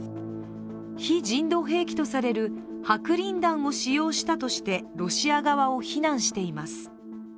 非人道兵器とされる白リン弾を使用したとしてロシア側を非難しています。